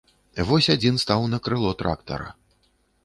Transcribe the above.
Вось адзін стаў на крыло трактара.